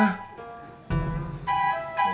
ya juga ma